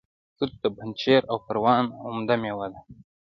توت د پنجشیر او پروان عمده میوه ده